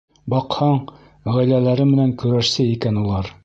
Баҡһаң, ғаиләләре менән көрәшсе икән улар.